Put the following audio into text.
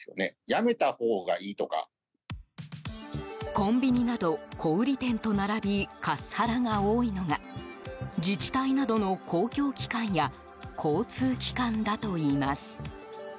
コンビニなど小売り店と並びカスハラが多いのが自治体などの公共機関や交通機関だといいます。